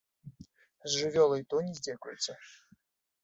З жывёлы і то не здзекуюцца.